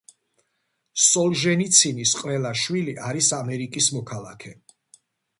სოლჟენიცინის ყველა შვილი არის ამერიკის მოქალაქე.